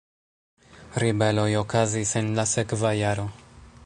Ribeloj okazis en la sekva jaro.